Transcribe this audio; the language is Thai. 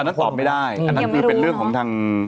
นั้นตอบไม่ได้อันนั้นคือเป็นเรื่องของทาง